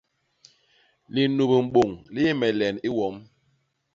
Linup mbôñ li yé me len i wom.